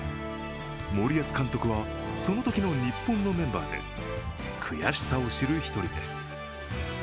森保監督はそのときの日本のメンバーで、悔しさを知る一人です。